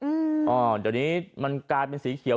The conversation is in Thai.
เหมือนตอนนี้มันกลายเป็นสีเขียว